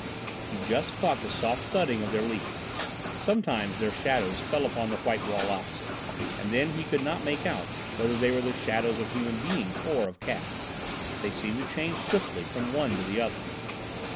He just caught the soft thudding of their leaps. Sometimes their shadows fell upon the white wall opposite, and then he could not make out whether they were the shadows of human beings or of cats. They seemed to change swiftly from one to the other.